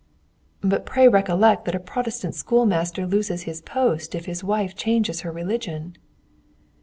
"But pray recollect that a Protestant schoolmaster loses his post if his wife changes her religion."